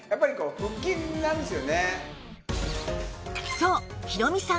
そうヒロミさん